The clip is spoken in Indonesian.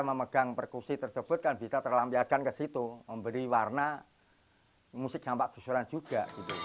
memegang perkusi tersebut kan bisa terlampiaskan ke situ memberi warna musik campak gusuran juga